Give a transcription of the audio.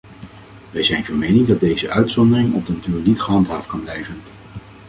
Wij zijn van mening dat deze uitzondering op den duur niet gehandhaafd kan blijven.